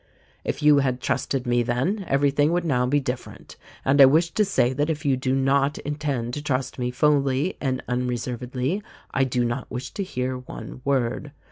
If you had trusted me then, everything would now be different ; and I wish to say that if you do not intend to trust me fully and unreservedly I do not wish to hear one word.